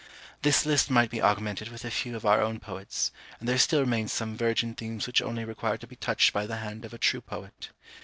This list might be augmented with a few of our own poets, and there still remain some virgin themes which only require to be touched by the hand of a true poet.